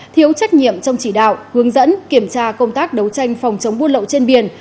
thiếu trách nhiệm trong chỉ đạo hướng dẫn kiểm tra công tác đấu tranh phòng chống buôn lậu trên biển